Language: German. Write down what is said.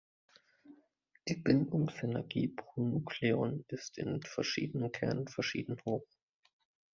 Die Bindungsenergie pro Nukleon ist in verschiedenen Kernen verschieden hoch.